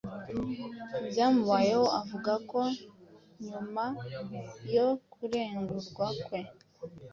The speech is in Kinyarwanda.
ku byamubayeho. Avuga ko na nyuma yo kurekurwa kwe,